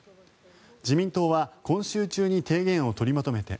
自民党は今週中に提言を取りまとめて